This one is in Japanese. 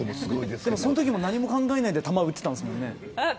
そのときも何も考えないで球打ってたんですよね。